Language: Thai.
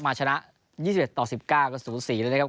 ชนะ๒๑ต่อ๑๙ก็สูสีเลยนะครับ